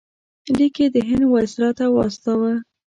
لیک یې د هند وایسرا ته واستاوه.